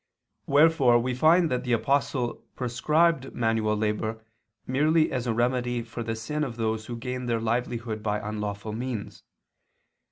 Wherefore we find that the Apostle prescribed manual labor merely as a remedy for the sin of those who gained their livelihood by unlawful means.